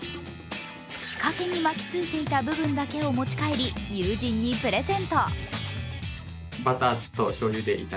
仕掛けに巻きついていた部分だけを持ち帰り、友人にプレゼント。